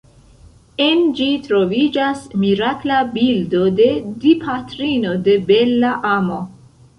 En ĝi troviĝas mirakla bildo de Dipatrino de Bela Amo.